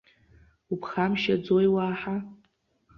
Уԥхамшьаӡои уаҳа?